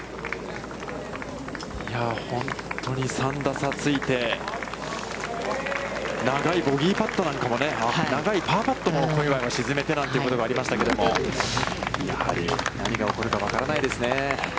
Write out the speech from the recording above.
本当に、３打差ついて、長いボギーパットなんかも、長いパーパットも、小祝は沈めてなんてこともありましたけれども、やはり、何が起こるか分からないですね。